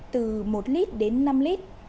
từ một lít đến năm lít